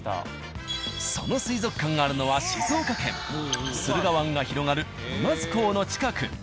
その水族館があるのは静岡県駿河湾が広がる沼津港の近く。